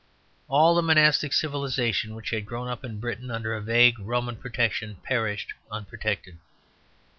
All the monastic civilization which had grown up in Britain under a vague Roman protection perished unprotected.